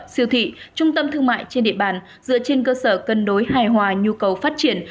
siêu thị trung tâm thương mại trên địa bàn dựa trên cơ sở cân đối hài hòa nhu cầu phát triển